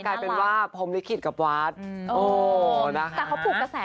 ว่าน่าจะมีความเกี่ยวข้องนะ